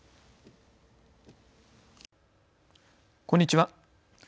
こんにちは。